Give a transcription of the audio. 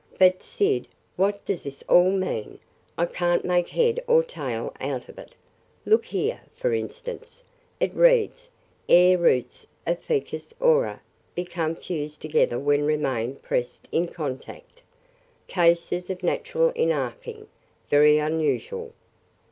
"But, Syd, what does this all mean? I can't make head or tail out of it! Look here, for instance. It reads: 'Air roots of ficus aurea become fused together when remain pressed in contact. Cases of natural inarching very unusual.